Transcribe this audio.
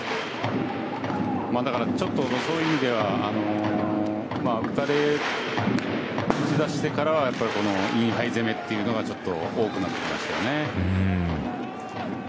だからちょっとそういう意味では打たれだしてからはインハイ攻めというのがちょっと多くなってきましたよね。